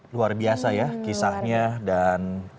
luar biasa ya kisahnya luar biasa ya kisahnya